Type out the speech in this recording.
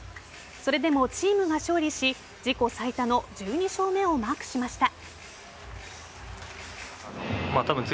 それでもチームが勝利し自己最多の１２勝目をマークしました。